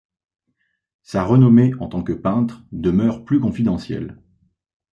Sa renommée en tant que peintre demeure plus confidentielle.